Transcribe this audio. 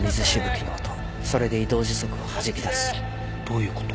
どういうこと？